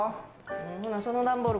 ほなその段ボール